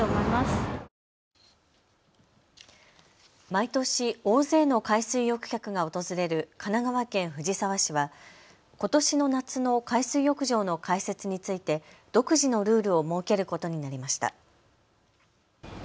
毎年、大勢の海水浴客が訪れる神奈川県藤沢市は、ことしの夏の海水浴場の開設について独自のルールを設けることになりました。